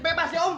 bebas ya om